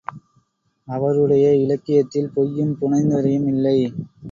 அவருடைய இலக்கியத்தில் பொய்யும், புனைந்துரையும் இல்லை.